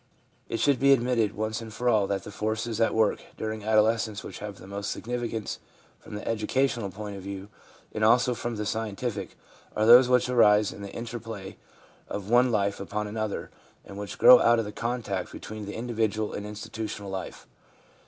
It should be admitted once and for all that the forces at work during adolescence which have most significance from the educational point of view, and also from the scientific, are those which arise in the interplay of one life upon another, and which grow out of the contact between the individual and institutional life.